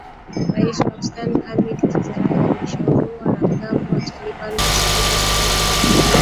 rais wa afghanstan hamid karizai amewashauri wanamgambo wa taliban kusitisha kufanya mashambulizi